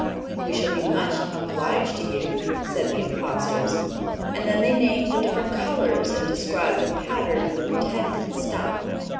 "We shall be much obliged to you," said the impostors, and then they named the different colors and described the pattern of the pretended stuff.